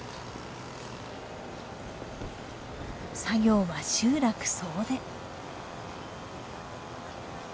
作業は集落総出。